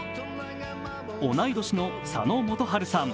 同い年の佐野元春さん